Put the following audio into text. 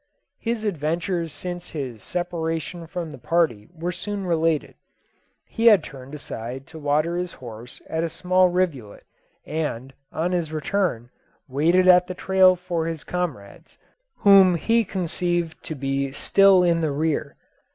His adventures since his separation from the party were soon related. He had turned aside to water his horse at a small rivulet, and, on his return, waited at the trail for his comrades, whom he conceived to be still in the rear.